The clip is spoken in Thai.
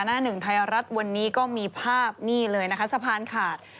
หน้าหนึ่งไทยรัฐวันนี้ก็มีภาพนี่เลยนะคะสะพานขาด